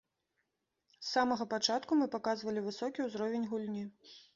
З самага пачатку мы паказвалі высокі ўзровень гульні.